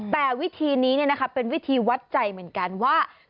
แต่วิธีนี้เนี่ยนะคะเป็นวิธีวัดใจเหมือนกันว่า